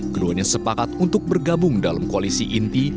keduanya sepakat untuk bergabung dalam koalisi inti